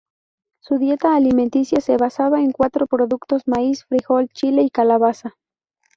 Su dieta alimenticia se basaba en cuatro productos: maíz, frijol, chile y calabaza.